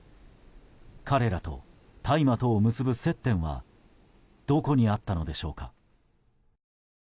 彼らと大麻とを結ぶ接点はどこにあったのでしょうか。